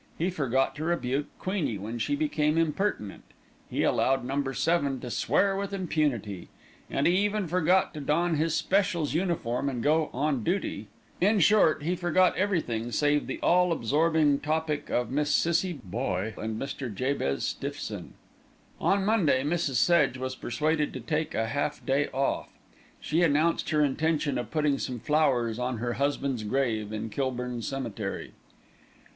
He forgot to rebuke "Queenie" when she became impertinent, he allowed Number Seven to swear with impunity, and he even forgot to don his special's uniform and go "on duty"; in short, he forgot everything save the all absorbing topic of Miss Cissie Boye and Mr. Jabez Stiffson. On Monday, Mrs. Sedge was persuaded to take a half day off. She announced her intention of putting some flowers on her husband's grave in Kilburn Cemetery.